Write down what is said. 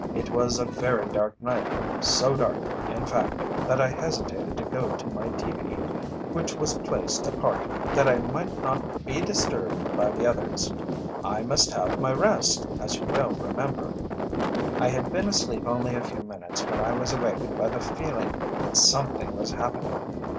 It was a very dark night so dark, in fact, that I hesitated to go to my teepee, which was placed apart that I might not be disturbed by the others. I must have my rest, as you will remember. "I had been asleep only a few minutes when I was awakened by the feeling that something was happening.